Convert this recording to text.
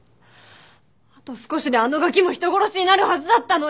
あと少しであのガキも人殺しになるはずだったのに！